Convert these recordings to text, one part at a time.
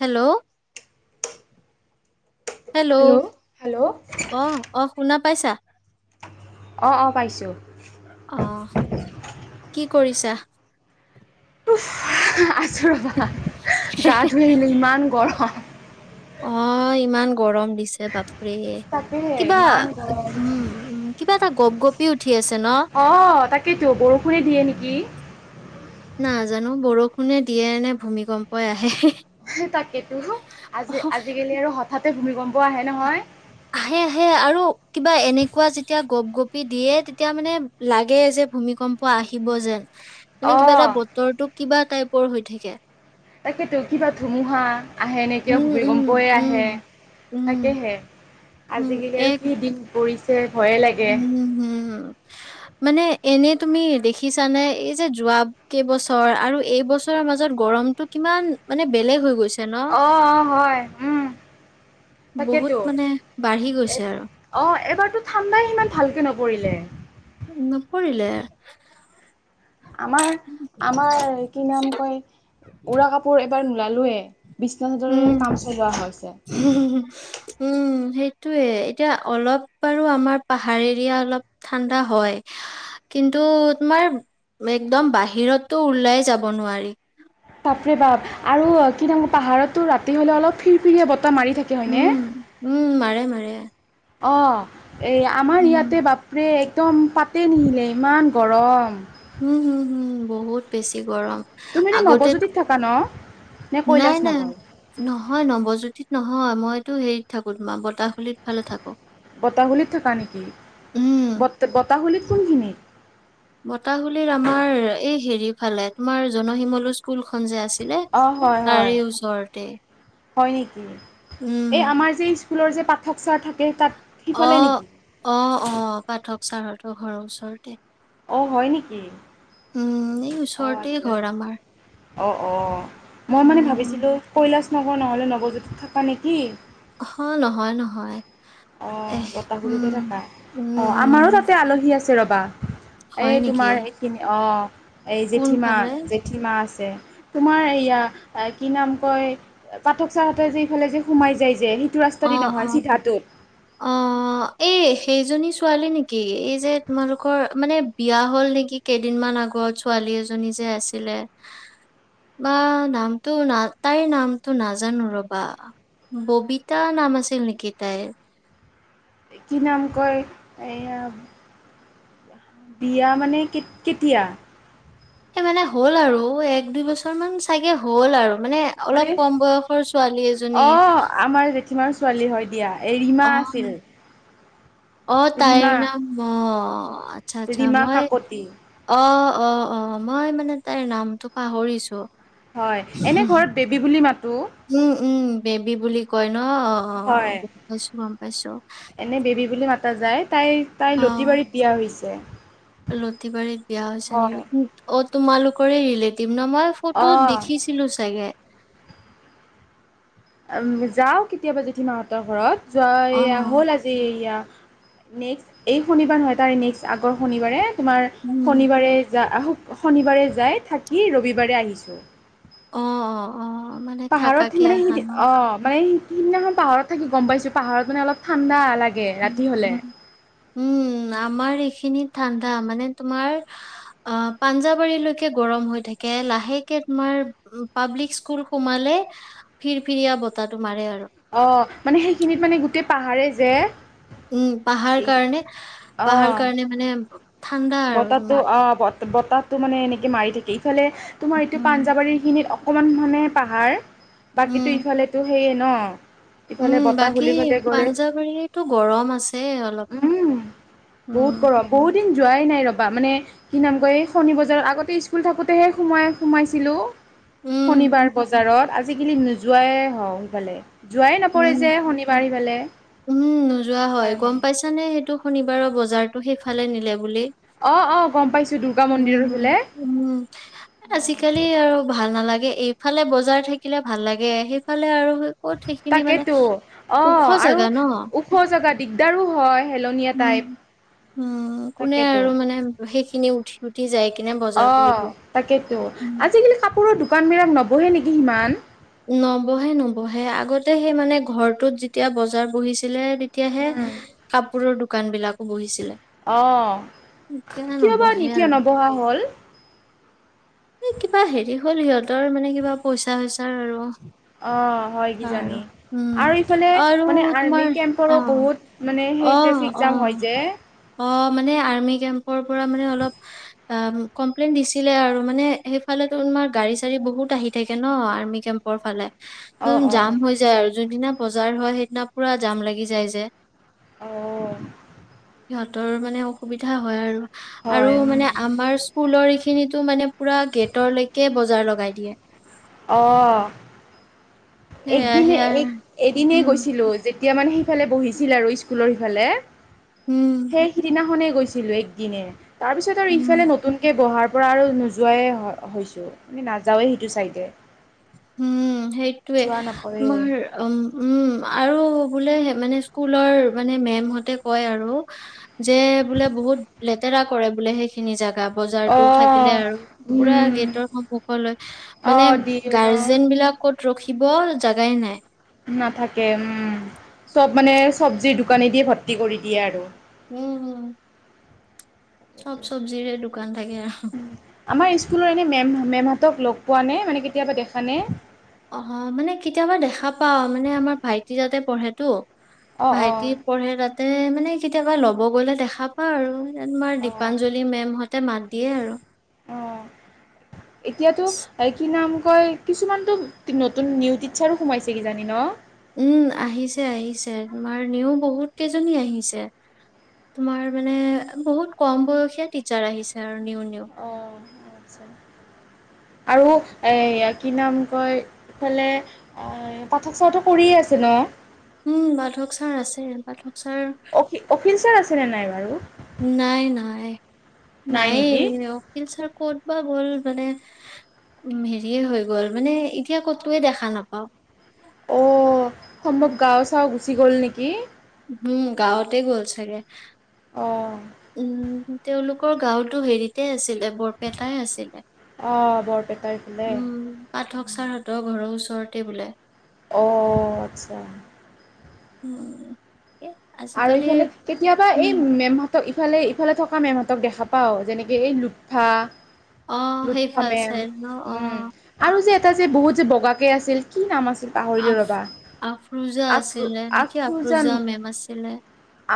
Hello. Hello অ', অ' শুনা পাইছা? অ', অ' পাইছোঁ। অ কি কৰিছা? [unintelligible] ৰ'বা, গা ধুই আহিলো ইমান গৰম। অ' ইমান গৰম দিছে বাপ ৰে, তাকেহে কিবা ইমান গৰম উম্, উম্ কিবা এটা গপ গপি উঠি আছে ন অ' তাকেইটো বৰষুণে দিয়ে নেকি? নাজানো, বৰষুণে দিয়ে নে ভূমিকম্পই আহে। তাকেতো, অ আজি আজিকালি আৰু হ ঠাতে ভূমিকম্প আহে নহয়? আহে, আহে আৰু কিবা এনেকুৱা যেতিয়া গপ গপি দিয়ে, তেতিয়া মানে লাগে যে ভূমিকম্প আহিব যেন মানে কিবা এটা অ', বতৰটো কিবা টাইপ পৰ হৈ থাকে। তাকেটো কিবা ধুমুহা আহে নেকি আ, উম উম ভূমিকম্পই আহে উম উম তাকেহে। উম আজিকালি আৰু এক কি দিন পৰি ছে ভয়ে লাগে। উম হম মানে এনে তুমি দেখিছা নে? এই যে যোৱা কেইবছৰ আৰু এইবছৰৰ মাজত গৰমতটো কিমান মানে বেলেগ হৈ গৈছে ন? অ', অ', হয়, উম। বহুত তাকেতো মানে বাঢ়ি এ গৈছে আৰু অ', এবাৰতো ঠাণ্ডাই সিমান ভালকে নপৰিলে। নপৰিলে। আমাৰ, আমাৰ কি নাম কয় উৰা কাপোৰ এবাৰ নোলালোয়ে। বিশ্বনা উম, চাদৰেৰে কাম চলোৱা হৈছে। উম, সেইটোয়ে এতিয়া অলপ বাৰু আমাৰ পাহাৰ এৰিয়া অলপ ঠাণ্ডা হয়, কিন্তু তোমাৰ একদম বাহিৰটো ওলাই যাব নোৱাৰি। বাপ ৰে বাপ আৰু কিনেকো পাহাৰতো ৰাতি হ'লে অলপ ফিৰ ফিৰিয়ে বত উম, উম, মাৰে মাৰে অ। এই আমাৰ উম, ইয়াতে বাপৰে এক একদম পাতে নিহিলে ইমান গৰম। উম, হুম, হুম বহুত বেছি গৰম। তুমিতো আগতে নৱজ্যোতিত থাকা ন? নে নাই কৈলাশ নগৰ? হয়, মইতো হেৰিত থাকো তোমাৰ বতাহ খলিত ফালে থাকো। বতাহ বলীত থাকা নেকি? ব উম বতাহ‌ বলীত কোনখিনি? মতাহুলিৰ আমাৰ এই হেৰি ফালে তোমাৰ জনসিমলু স্কুল অ', হয়, হয়, ওচৰতে হয় নেকি? উম এই আমাৰ যি স্কুলৰ যে, পাঠকছাৰ থাকে তাত সিফালে অ', নেকি? অ', অ', পাঠক ছাৰত ঘৰৰ ওচৰতে। অ হয় নেকি উম এই অ ওচৰতেই আচ্ছা ঘৰ আমাৰ অ অ মই মানে উম ভাবিছিলো কৈলাচ নগৰ নহ'লে নৱজ্যোতিত থকা নেকি অ নহয় নহয় অ এহ বতাহঘূলিতে উম থকা উম অ উম আমাৰো তাতে আলহী আছে ৰবা হয় এই নেকি তোমাৰ এইখিনি অ এই জেঠী মা কোনফালে জেঠী মা আছে তোমাৰ এয়া কি নাম কয় পাঠক চাৰহতে যে ইফালে যে সোমাই যায় যে এইটো ৰাস্তা অ দি অ নহয় চিধাটোত অ এই সেইজনী ছোৱালী নেকি এই যে তোমালোকৰ মানে বিয়া হ'ল নেকি কেইদিনমান আগত ছোৱালী এজনী যে আছিলে বা নামটো ন তাইৰ নামটো নাজানো ৰবা ববিতা নাম আছিল নেকি তাইৰ কি নাম কয় এয়া বিয়া মানে কেতিয়া সেই মানে হ'ল আৰু এক দুই বছৰ মান চাগে হ'ল আৰু মানে অলপ কম বয়সৰ ছোৱালী এজনী অঁ আমাৰ ছোৱালী হয় দিয়া ৰিমা আছিল অ', অ তাইৰ ৰীমা নাম অ উ আচ্ছা আচ্ছা ৰীমা মই কাকতি। অ অ অ মই মানে তাইৰ নামটো পাহৰিছো হয় এনে ঘৰত বেবী বুলি মাতো উম, উম, বেবী বুলি কয় অ হয়। গম পাইছো গম পাইছো হোজাইত তাই তাইৰ অ', লতিবাৰীত বিয়া হৈছে লতিবাৰীত বিয়া হৈছে হয়। নেকি অ তোমালোকৰে ৰেলতিভ [unintelligible] মই ফটোত অ', দেখিছিলো চাগে যাও কেতিয়াবা জেঠিমাহতৰ ঘৰত যোৱা এয়া অ', হ'ল আজি এয়া নেক্সট এই শনিবাৰ নহয় তাৰে নেক্সট আগৰ শনিবাৰে তোমাৰ উম, শনিবাৰে যা আহোক শনিবাৰে যাই থাকি ৰবিবাৰে আহিছোঁ অ অ অ মানে পাহাৰত থাকাকে মানে আহা স ন? অ মানে সেইদিনাখন পাহাৰত থাকি গম পাইছো পাহাৰত মানে অলপ ঠাণ্ডা লাগে ৰাতি হ'লে। উম আমাৰ এইখ খিনি ঠাণ্ডা মানে তোমাৰ অ পাঞ্জাবাৰীলৈকে গৰম হৈ থাকে লাহেকে তোমাৰ পাব্লিক স্কুল সোমালে ফিৰ ফৰিয়া বতাহটো মাৰে আৰু অ মানে সেইখিনিত মানে গোটেই পাহাৰে যে উম পাহাৰ এই কাৰণে পাহাৰ অ' কাৰণে মানে ঠাণ্ডা আৰু বতাহটো তোমাৰ। অ বতাহটো মানে এনেকে মাৰি থাকি ইফালে তোমাৰ এইটো উম। পাঞ্জাৱাৰীখিনিত অকমান মানে পাহাৰ উম, বাকীতো ইফালেতো থ ন ইফালে উম বতাহ বাকী খুলিফালে গৰেজ পাঞ্জাৱাৰীতো গৰম আছে উম অলপ বহুত উম গৰম বহুত দিন যোৱাই নাই ৰ'বা মানে কি নাম কয় এই শণী বজাৰ আগতে স্কুল থাকোঁতেহে সোমাই সোমাইছিলোঁ উম, শনিবাৰ বজাৰত আজিকালি নোযোৱাই হওঁ সিফালে যোৱাই নপৰে উম। যে শনিবাৰ সিফালে উম নোযোৱা হয় সেইকাৰণে গম পাইছা নে সেইটো শনিবাৰৰ বজাৰতো সিফালে নিলে বুলি অ' অ' গম পাইছো দুৰ্গা মন্দিৰৰ উম ফালে উম অ' আজিকালি আৰু ভাল নালাগে ে এইফালে বজাৰ থাকিলে ভাল লাগে সেইফালে আৰু ক'ত সেইখিনি মানে তাকেতো অ ওখ আৰু জেগা ন। ওখ জেগা দিগদাৰো হয় হেলনীয়া উম টাইপ উম কোনে তাকেতো আৰু মানে সেইখিনি উঠি উঠি যায় অ তাকেতো আজিকালি কাপোৰৰ দোকান বিলাক নব বহে নেকি সিমান নবহে নবহে আগতে সেই মানে ঘৰটোত যেতিয়া বজাৰ বহিছিলে তেত তেতিয়াহে কাপোৰৰ দু দোকান বিলাকো বহিছিলে অ এতিয়া কিয় বাৰু নবহে নিতিয়া নবহা হ'ল এ কিবা হেৰি হ'ল সিহঁতৰ মানে কিবা পইচা হৈছে অ হয় আৰু কিজানি উম আৰু ইফালে আৰু মানে আৰ্মি তোমাৰ অ কেম্পৰো বহুত মানে অ সেই ট্ৰেফিক অ জাম হয় যে অ মানে আৰ্মি কেম্পৰ পৰা মানে অলপ অ কমপ্লেইন দিছিলে আৰু মানে সেইফালে তোমাৰ গাড়ী চাড়ী বহুত আহি থাকে ন কেম্পৰ ফালে অ উম অ জাম হৈ যায় আৰু যোনদিনা বজাৰ হয় সেইদিনা পুৰা জাম লাগি যায় যে অ সিহঁতৰ মানে অসুবিধা হয় আৰু আৰু হয় মানে আমাৰ স্কুলৰ খিনিতো মানে পুৰা গেটৰ লকে বজাৰ লগাই দিয়ে অ সেয়া একদিনে সেয়া এক এদিনে উম গৈছিলো যেতিয়া মানে সেইফালে বহিছিল আৰু স্কুল স্কুলৰ সিফালে উম সেই সিদিনাখনে গৈছিলো এক দিনে তাৰ পিছত আৰু উম ইফালে নতুনকে বহাৰ ত পৰা আৰু নোযোৱাই হৈছোঁ মানে নাযাওঁৱেই সেইটো চাইডে উম সেইটোৱে যোৱা নপৰে তোমাৰ উ উম আৰু বোলে মানে স্কুলৰ মানে মেমহতে কয় আৰু যে বোলে বহুত লেতেৰা কৰে বোলে সেইখিনি জেগা বজাৰতটো অঁ থাকিলে আৰু পুৰা উম গেটৰ সন্মুখ লৈ মানে অঁ দিয়ে [unintelligible] ন ত ৰখিব জাগাই নাই নাথাকে উম চব মানে চব্জিৰ দোকানে দিয়ে ভৰ্তি কৰি দিয়ে আৰু উম উম চব চব্জিৰে দোকান থাকে আৰু আমাৰ স্কুলৰ এনেই মেম মেম হঁতক লগ পোৱা নে মানে কেতিয়াবা দেখা নে অ মানে কেতিয়াবা দেখা পাও মানে আমাৰ ভাইটি যাতে পঢ়েতো অঁ অঁ ভাইটি পঢ়ে তাতে মানে কেতিয়াবা ল'ব গ'লে দেখা পাওঁ আৰু তমাৰ অঁ দীপাঞ্জলি মেম হত ততে মাত দিয়ে আৰু অঁ এতিয়াতো কি নাম কয়, কিছুমানতো নতুন নিউ টিটছাৰো সোমাইছে কি জানি ন। উম আহিছে আহিছে তোমাৰ নিও বহুত কেইজনী আহিছে তোমাৰ মানে বহুত কম বয়সীয়া টিচাৰ আহিছে আৰু। নিউ নিউ আহ আচ্ছা। আৰু কি নাম কয় এইফালে পাঠক সাথক কৰিয়ে আছে ন। উম পাঠক ছাৰ আছে পাঠক ছাৰ অ অফিচাৰ আছে নে নাই? আৰু নাই নাই। নাই এই অখিল ছাৰ ক'ত বা গ'ল মানে উ হেৰিয়ে হৈ গ'ল মানে এতিয়া ক'তয়ে দেখা নাপাও। অ সম্ভৱ গাঁও চাও গুচি গ'ল নেকি? উম গাঁৱতে গ'ল চাগে। অঁ উম। তেওঁলোকৰ গাঁওতো হেৰিতে আছিলে বৰপেটাই আছিলে, অঁ বৰপেটাৰ ইফালে উম পাঠক ছাৰহঁতৰ ঘৰৰ ওচৰ ওচৰতে বোলে। অঁ আচ্ছা। উম। এ আৰু আজিকালি এইফালে কেতিয়াবা উম এই মেমহতক ইফালে ইফালে থকা মেমহঁতক দেখা পাওঁ যেনেকে এই লোফফা, অ সেইফাল লুফামেম চাইড ন অ উম আৰু যে এটা যে বহুত যে বগাকে আছিল কি নাম আছিল? পাহৰিলো আফ ৰ'বা আফ্ৰোজা আছিলে নেকি আফ্ৰোজা মেম আছিল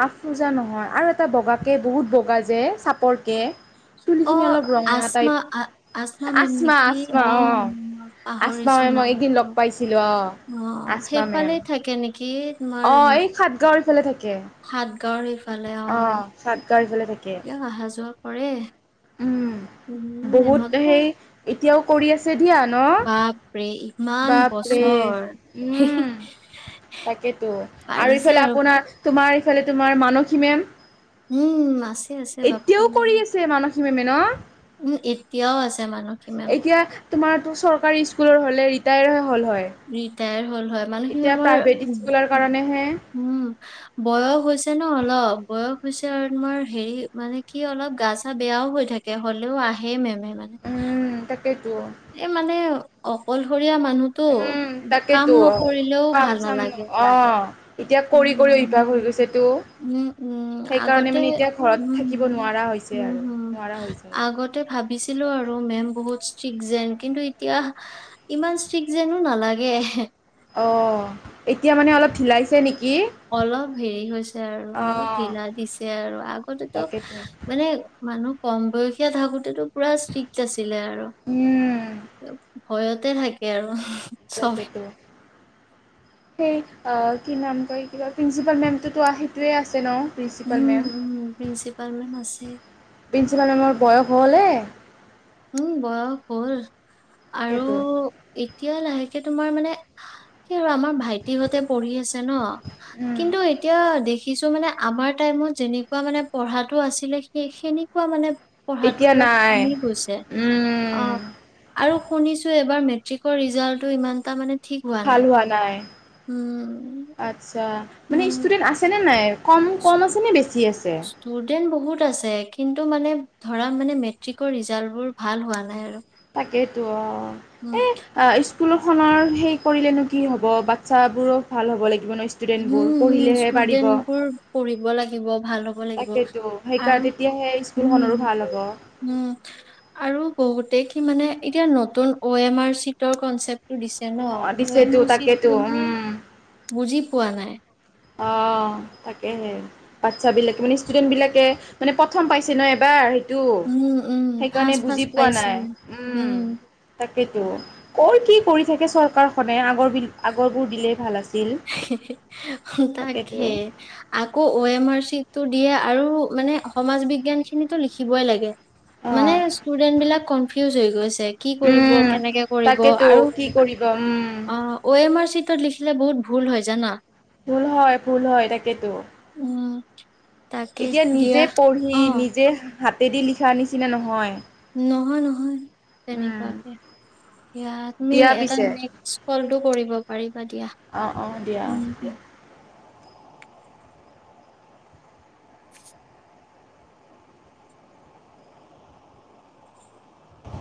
আফ পোজা নহয় আৰু এটা বগা তাকে বহুত বগা যে চাপৰকে চুলিখিনি অঁ অলপ ৰঙা আসমা টাইপ আসমা মেম আচমা নেকি আচমা অঁ আচমা পাহৰিছো মেমক একদিন নামটো লগ পাইছিলোঁ অঁ অঁ। আচমা মেম সেইফালে থাকে নেকি? অঁ এই সাতগাঁও সেইফালে থাকে। সাতগাঁওৰ এইফালে অ অঁ সাতগাঁৱৰ ইফালে থাকে এয়া অহা যোৱা কৰে। উম উম বহুত মেমতো সেই এতিয়াও কৰি আছে দিয়া ন বাপৰে ইমান বাপৰে বছৰ। উম তাকেতো আৰু ইফালে আপোনাৰ তোমাৰ ইফালে তোমাৰ মানসীমেম উম, আছে আছে বাপৰেহে কি মানে ন? উম এতিয়াও আছে। মানসী মেম তোমাৰটো চৰকাৰী স্কুলৰ হ'লে ৰিটায়েৰ ৰিটায়াৰ হ'ল হয়, মানসী মেমৰ প্ৰাইভেট উ, স্কুলৰ কাৰণেহে উম বয়স হৈছে ছে ন অলপ বয়স হৈছে আৰু তোমাৰ হেৰি মানে কি অলপ গা চা বেয়াও হৈ থাকে হ'লেও আহে মেমে। মানে উম তাকেইতো এই মানে অকলশৰীয়া মানুহতো উম কাম তাকেইতো নকৰিলেও ভাল কাম-চাম ন নালাগে। অ এতিয়া কৰি কৰি উম অভ্যাস হৈ গৈছে তো উম উম সেইকাৰণে আগতে মানে এতিয়া ঘৰত উম থাকিব নোৱাৰা হৈছে উম, আৰু হুম। নোৱাৰা হৈছে। আগতে ভাবিছিলো আৰু মেম বহুত ষ্ট্ৰিক্ট যেন কিন্তু এতিয়া ইমান ষ্ট্ৰিক যেনো নালাগে। অঁ এতিয়া মানে অলপ ঢিলাইছে নেকি? অলপ হেৰি হৈছে আৰু অ অলপ ঢিলা দিছে আৰু আগতেতো তাকেতো মানে মানুহ কম বয়সীয়া থাকোতেটো পোৰা ষ্ট্ৰিক্ট আছিলে আৰু উম ভয়তে থাকে আৰু চবে। তাকেইতো, সেই কি নাম কয় কিবা প্ৰিন্ঞ্চিপাল মেমটোতো সেইটোৱে আছে ন? উম, প্ৰিন্সিপাল মেম, উম, প্ৰিন্সিপাল মেম আছে। প্ৰিন্সিপাল মেমৰ বয়স হৈ ঘলে উম বৰ [unintelligible] আৰু তাকেতো এতিয়া লাহেক এতিয়া তোমাৰ মানে কি আৰু আমাৰ ভাইটিহঁতে পঢ়ি আছে ন, কিন্তু এতিয়া দেখি কিছুমানে আমাৰ টাইমত যেনেকুৱা মানে পঢ়াটো আছিলে সেনেকুৱা মানে পঢ়াটো এতিয়া অলপ নাই কমি গৈছে। উম অঁহ আৰু শুনিছোঁ এবাৰ মেট্ৰিকৰ ৰিজাল্টটো ইমানটা মানে ভাল হোৱা নাই, উম আচ্ছা মানে উম ষ্টুডেন্ট আছেনে নাই? কম, কম আছেনে বেছি আছে? ষ্টুডেন্ট বহুত আছে কিন কিন্তু মানে ধৰা মানে মেট্ৰিকৰ ৰিজাল্ট বোৰ ভাল হোৱা নাই আৰু সেইটোৱে অ উম এ অ স্কু স্কুলখনৰ সেই কৰিলেনো কি হ'ব বাচ্ছাবোৰো ভাল হ'ব লাগি হুম হুম ষ্টুডেন্ট বোৰ পঢ়িব লাগিব ভাল হ'ব লাগিব তাকেতো সেইকাৰ আৰু তেতিয়াহে হম স্কুলখনৰো ভাল হ'ব হুম আৰু বহুতে কি মানে এতিয়া নতুন অ' এম আৰ চিটৰ কনচেপ্ট দিছে ন এম দিছেতো আৰ তাকেতো চিটো মানে উম বুজি পোৱা নাই অ তাকেহে বাচ্ছ বিলাকে মানে ষ্টুডেন্ট বিলাকে মানে প্ৰথম পাইছে ন এবাৰ তো উম উম সেইকাৰণে ফাৰ্ষ্ট বুজি ফাৰ্ষ্ট পোৱা পাইছে নাই উম তাকেতো কত কি কৰি থাকে চৰকাৰখনে আগৰ আগৰবোৰ দিলে ভাল আছ হি হি হি তাকে। আকৌ অ এম আৰ চি। তো দিয়ে আও মানে সমাজ বিজ্ঞান খিনিতো লিখিবই লাগে। মানে অ' ষ্টুডেন্ট বিলাক কনফিউজ হৈ তে কি কৰিব? উম কেনেকে কৰিব? তাকেতো আৰু কি কৰিব উম অ, অ এম আৰ চিটো লিখি ছিলে বহুদ ভুল হয়। জানা। ভুল হয়। ভুল হয়। তাকেতো। উম তাকে এতিয়া নিজে দিয়া পঢ়ি অ নিজেহ হাতেদি লিখাৰ নিচিনা নহয়। নহয় নহয়। উম তেনেকুৱাকে। দিয়া তুমি দিয়া এটা পিছে নেক্স কলটো কৰিব পাৰিবা দিয়া। অ' অ' দিয়া অ' উম, উম। দিয়া [unintelligible]